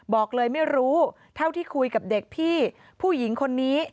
บอกเลยไม่รู้เท่าที่คุยกับเด็กพี่ผู้หญิงคนนี้